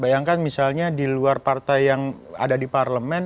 bayangkan misalnya di luar partai yang ada di parlemen